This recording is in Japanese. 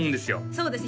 そうです